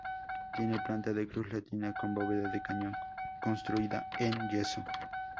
Tiene planta de cruz latina, con bóveda de cañón construida en yeso.